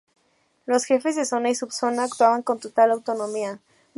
Los jefes de zona y subzona actuaban con total autonomía.